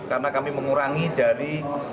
karena kami mengurangi dari